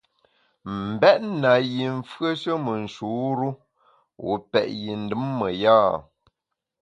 M’bèt na yi mfùeshe me nshur-u, wu pèt yi ndùm me ya ?